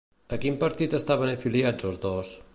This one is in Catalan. A quin partit estaven afiliats els dos?